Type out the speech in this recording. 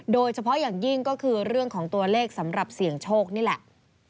โดยเฉพาะอย่างยิ่งก็คือเรื่องของตัวเลขสำหรับเสี่ยงโชคนี่แหละ